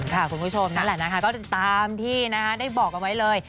คุณผู้ชมนั่นแหละนะคะก็ตามที่นะคะได้บอกเอาไว้เลย